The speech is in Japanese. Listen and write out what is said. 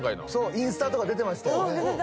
インスタとか出てましたよね。